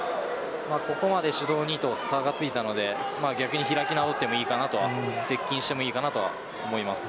ここまで指導２と差がついたので逆に開き直ってもいいかなと接近してもいいかなと思います。